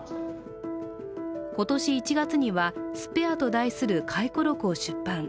今年１月には「スペア」と題する回顧録を出版。